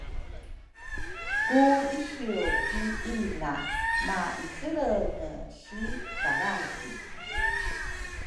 Ku isiw ki ina maicelrenge si kalragi